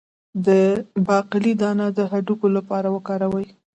د باقلي دانه د هډوکو لپاره وکاروئ